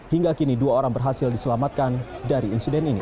hingga kini dua orang berhasil diselamatkan dari insiden ini